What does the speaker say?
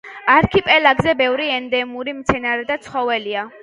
არქიპელაგზე ბევრი ენდემური მცენარე და ცხოველია.